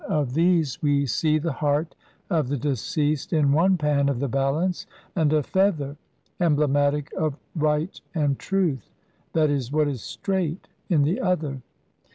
XCV these we see the heart of the deceased in one pan of the balance, and a feather, emblematic of Right and Truth, /. e., "what is straight", in the other.